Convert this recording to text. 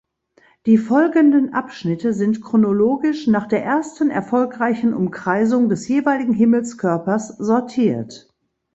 Die folgenden Abschnitte sind chronologisch nach der ersten erfolgreichen Umkreisung des jeweiligen Himmelskörpers sortiert.